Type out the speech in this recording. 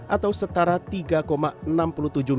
atau setara tiga dolar per orang